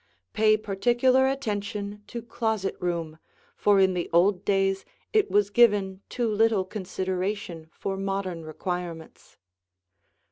Pay particular attention to closet room, for in the old days it was given too little consideration for modern requirements.